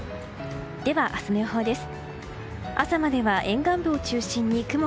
では明日の予報です。